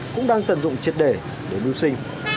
cũng đang tận dụng triệt để để lưu sinh